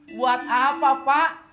buat apa pak